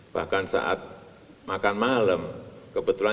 bahkan saat makan malam kebetulan